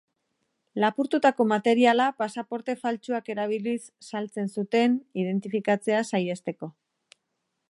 Lapurtutako materiala pasaporte faltsuak erabiliz saltzen zuten, identifikatzea saihesteko.